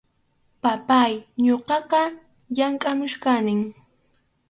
Papáy, ñuqaqa llamkʼamuchkanim.